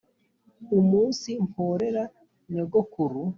umunsi mporera nyogokuru